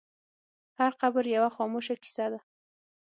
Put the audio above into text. هر قبر یوه خاموشه کیسه ده.